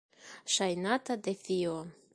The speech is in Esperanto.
Ŝajnata defio.